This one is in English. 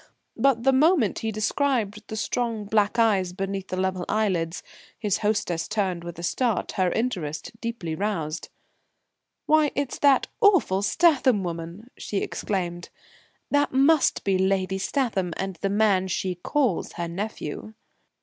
But the moment he described the strong black eyes beneath the level eyelids, his hostess turned with a start, her interest deeply roused: "Why, it's that awful Statham woman," she exclaimed, "that must be Lady Statham, and the man she calls her nephew."